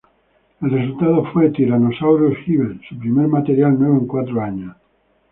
El resultado fue Tyrannosaurus Hives, su primer material nuevo en cuatro años.